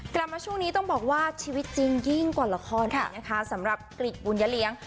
กลับมาช่วงนี้ต้องบอกว่าชีวิตจริงยิ่งกว่าละครอีกนะคะสำหรับกริจบุญยเลี้ยง